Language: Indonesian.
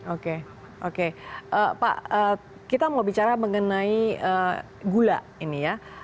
oke oke pak kita mau bicara mengenai gula ini ya